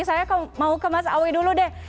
saya mau ke mas awi dulu deh